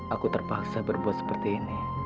aku terpaksa berbuat seperti ini